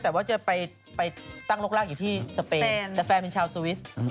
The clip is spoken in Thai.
แต่ว่าจะไปตั้งรกร่างอยู่ที่สเปนแต่แฟนเป็นชาวสวิส